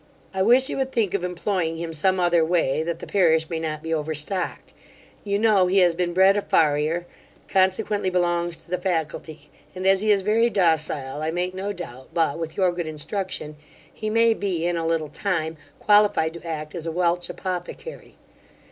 I wish you would think of employing him some other way, that the parish may not be overstocked you know he has been bred a farrier, consequently belongs to the faculty; and as he is very docile, I make no doubt but, with your good instruction, he may be, in a little time, qualified to act as a Welch apothecary.